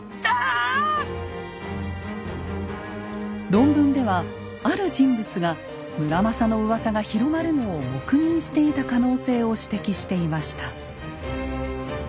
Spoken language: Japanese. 論文ではある人物が村正のうわさが広まるのを黙認していた可能性を指摘していました。